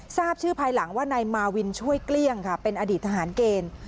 ทราบชื่อภายหลังว่านายมาวินช่วยเกลี้ยงค่ะเป็นอดีตทหารเกณฑ์